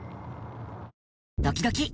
ドキドキ。